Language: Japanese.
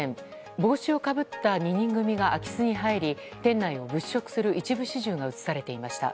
帽子をかぶった２人組が空き巣に入り店内を物色する一部始終が映されていました。